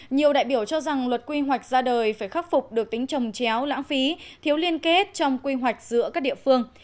nhiều đại biểu cho rằng luật quy hoạch ra đời phải khắc phục được tính trồng chéo lãng phí thiếu liên kết trong quy hoạch giữa các địa phương